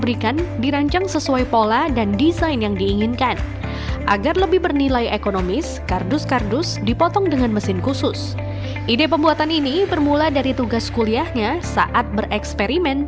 pembuatan ini bermula dari tugas kuliahnya saat bereksperimen